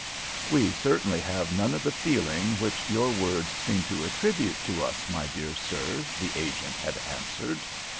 "We certainly have none of the feeling which your words seem to attribute to us, my dear sir," the agent had answered.